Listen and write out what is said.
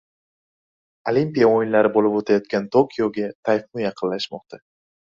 Olimpiya o‘yinlari bo‘lib o‘tayotgan Tokioga tayfun yaqinlashmoqda